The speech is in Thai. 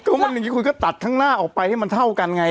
ก็มันอย่างนี้คุณก็ตัดข้างหน้าออกไปให้มันเท่ากันไง